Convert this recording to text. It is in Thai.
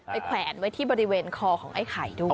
แขวนไว้ที่บริเวณคอของไอ้ไข่ด้วย